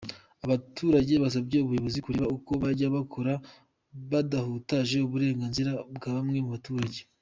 Abaturage basabye ubuyobozi kureba uko bajya bakora badahutaje uburenganzira bwa bamwe mu baturage.